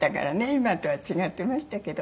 今とは違ってましたけど。